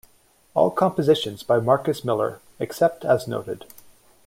All compositions by Marcus Miller, except as noted.